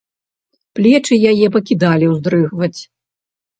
Плечы яе пакідалі ўздрыгваць.